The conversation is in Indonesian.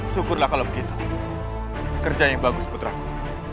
syukurlah kalau begitu kerja yang bagus putraku